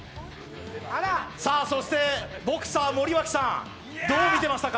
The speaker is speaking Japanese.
そして、ボクサー・森脇さん、どう見てましたか？